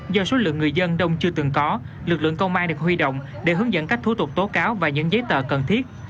do số lượng người dân đông chưa từng có lực lượng công an được huy động để hướng dẫn các thủ tục tố cáo và những giấy tờ cần thiết